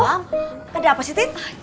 ada apa sih tin